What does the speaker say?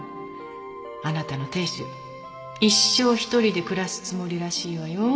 あなたの亭主一生ひとりで暮らすつもりらしいわよ。